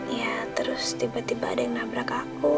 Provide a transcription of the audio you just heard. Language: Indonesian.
ya terus tiba tiba ada yang nabrak aku